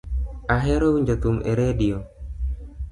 Ahero winjo thum e radio